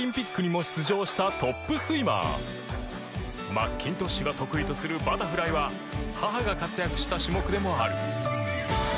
マッキントッシュが得意とするバタフライは母が活躍した種目でもある。